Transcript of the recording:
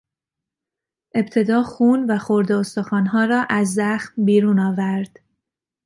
ابتدا خون و خرده استخوانها را از زخم بیرون آورد.